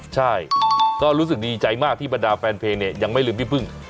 ใช่ก็รู้สึกดีใจมากที่บรรดาแฟนเพลงเนี่ยยังไม่ลืมพี่พึ่ง